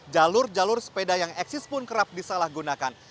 jalur jalur sepeda yang eksis pun kerap disalahgunakan